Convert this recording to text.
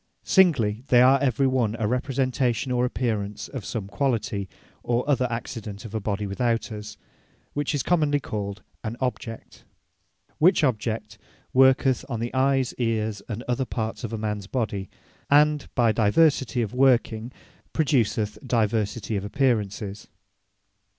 Singly, they are every one a Representation or Apparence, of some quality, or other Accident of a body without us; which is commonly called an Object. Which Object worketh on the Eyes, Eares, and other parts of mans body; and by diversity of working, produceth diversity of Apparences.